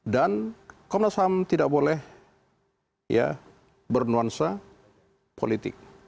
dan komnas ham tidak boleh ya bernuansa politik